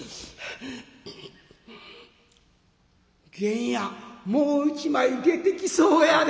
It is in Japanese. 「源やんもう一枚出てきそうやで」。